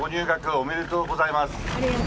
ありがとうございます。